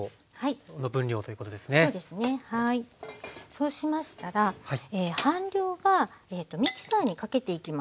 そうしましたら半量はミキサーにかけていきます。